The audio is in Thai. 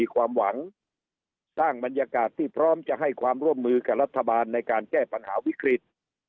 ความหวังสร้างบรรยากาศที่พร้อมจะให้ความร่วมมือกับรัฐบาลในการแก้ปัญหาวิกฤต